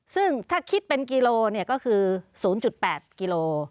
ซึ่งถ้าคิดเป็นกิโลก็คือ๐๘กิโล